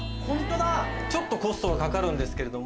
ちょっとコストはかかるんですけれども。